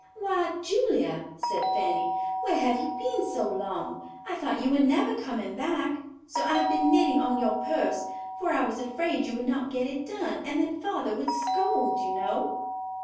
"Why, Julia," said Fanny, "where have you been so long; I though you were never coming back, so I have been knitting on your purse, for I was afraid you would not get it done, and then father would scold, you know."